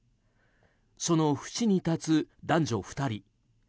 その縁に立つ男女２人。